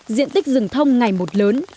diện tích rừng thông ngày một lớn